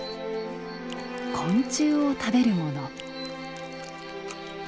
昆虫を食べるもの。